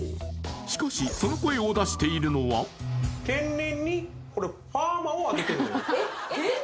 しかしその声を出しているのは・えっ？